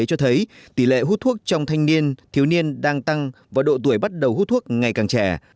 cho thấy tỷ lệ hút thuốc trong thanh niên thiếu niên đang tăng và độ tuổi bắt đầu hút thuốc ngày càng trẻ